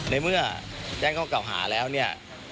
ในเมื่อแจ้งข้อเก่าหาแล้วเนี่ย